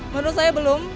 menurut saya belum